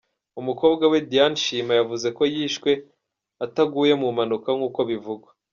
Umukobwa we Diane Shima yavuze ko yishwe, ataguye mu mpanuka nkuko bivugwa.